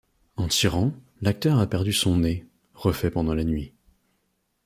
En tirant, l'acteur a perdu son nez, refait pendant la nuit.